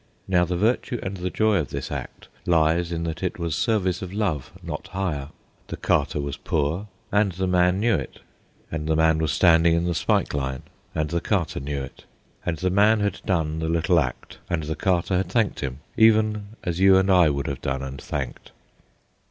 Now the virtue and the joy of this act lies in that it was service of love, not hire. The carter was poor, and the man knew it; and the man was standing in the spike line, and the carter knew it; and the man had done the little act, and the carter had thanked him, even as you and I would have done and thanked.